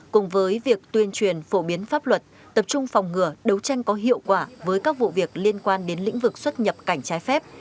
cùng với việc tuyên truyền phổ biến pháp luật tập trung phòng ngừa đấu tranh có hiệu quả với các vụ việc liên quan đến lĩnh vực xuất nhập cảnh trái phép